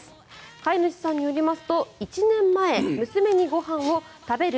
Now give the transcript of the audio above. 飼い主さんによりますと１年前、娘にご飯を食べる？